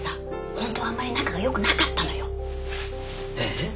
本当はあんまり仲がよくなかったのよえっ？